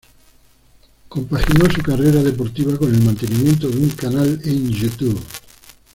Compaginó su carrera deportiva con el mantenimiento de un canal en Youtube.